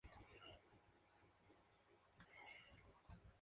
Su papá le dijo que si lo hacía, se podía quedar en California.